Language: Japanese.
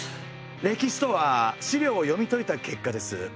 歴史とは資料を読み解いた結果です。